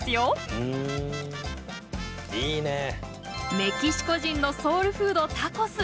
メキシコ人のソウルフードタコス。